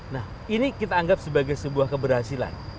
nah ini kita anggap sebagai sebuah keberhasilan